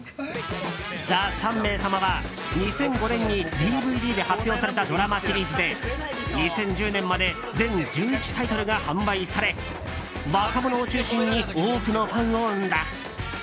「ＴＨＥ３名様」は２００５年にＤＶＤで発表されたドラマシリーズで２０１０年まで全１１タイトルが販売され若者を中心に多くのファンを生んだ。